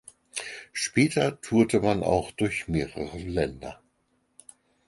Später tourte man auch durch mehrere Länder.